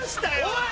おい！